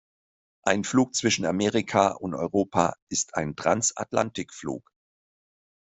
Ein Flug zwischen Amerika und Europa ist ein Transatlantikflug.